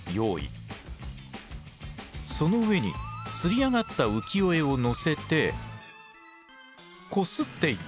その上に刷り上がった浮世絵をのせてこすっていく。